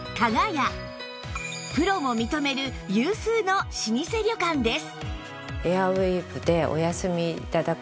プロも認める有数の老舗旅館です